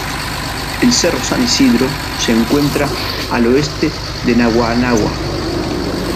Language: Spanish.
El Cerro San Isidro se encuentra al oeste de Naguanagua.